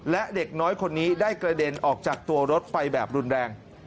และเด็กน้อยคนนี้ได้กระเด็นออกจากตัวรถไปแบบรุนแรง